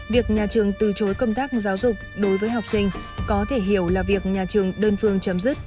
việc nhà trường từ chối công tác giáo dục đối với học sinh có thể hiểu là việc nhà trường đơn phương chấm dứt